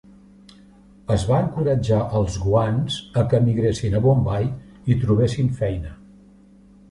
Es va encoratjar els Goans a què emigressin a Bombai i trobessin feina.